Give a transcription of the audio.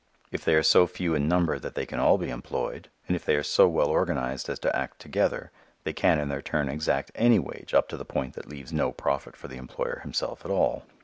If they are so few in number that they can all be employed, and if they are so well organized as to act together, they can in their turn exact any wage up to the point that leaves no profit for the employer himself at all.